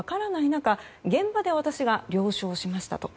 中現場で私が了承しましたと。